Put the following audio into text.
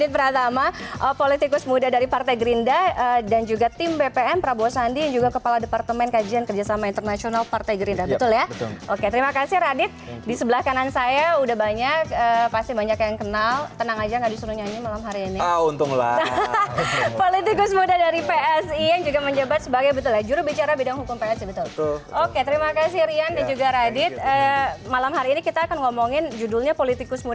berita terkini dari kpum